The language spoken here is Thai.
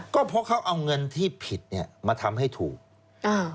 ก็เพราะเขาเอาเงินที่ผิดเนี้ยมาทำให้ถูกอ่า